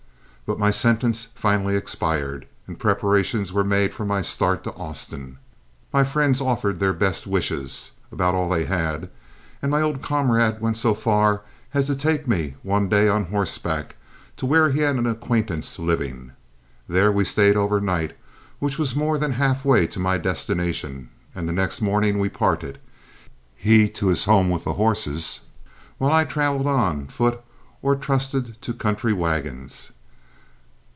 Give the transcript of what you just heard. But my sentence finally expired, and preparations were made for my start to Austin. My friends offered their best wishes, about all they had, and my old comrade went so far as to take me one day on horseback to where he had an acquaintance living. There we stayed over night, which was more than half way to my destination, and the next morning we parted, he to his home with the horses, while I traveled on foot or trusted to country wagons.